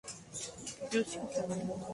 Yusei Ogasawara